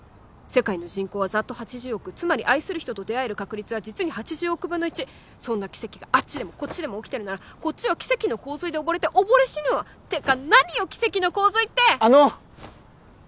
世界の人口はざっと８０億つまり愛する人と出会える確率は実に８０億分の１そんな奇跡があっちでもこっちでも起きてるならこっちは奇跡の洪水で溺れて溺れ死ぬわってか何よ奇跡の洪水ってあの！